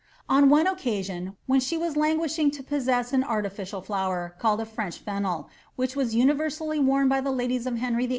On one occasion when she was Itngnishing to possess an artificial flower, called a French fennel, which was universally worn by the ladies of Henry Vlll.'